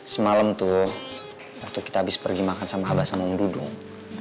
semalam tuh waktu kita habis pergi makan sama abah sama yang dudung